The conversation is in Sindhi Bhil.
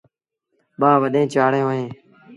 ٻآ وڏيݩ چآڙيٚن اوهيݩ۔